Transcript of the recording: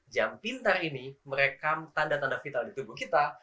jam pintar ini merekam tanda tanda vital di tubuh kita